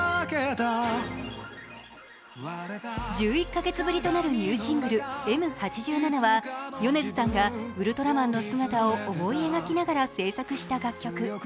１１カ月ぶりとなるニューシングル「Ｍ八七」は米津さんがウルトラマンの姿を思い描きながら制作した楽曲。